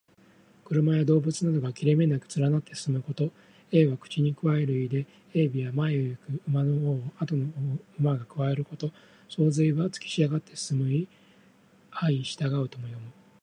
車や動物などが切れ目なく連なって進むこと。「銜」は口にくわえる意で、「銜尾」は前を行く馬の尾をあとの馬がくわえること。「相随」はつきしたがって進む意。「銜尾相随う」とも読む。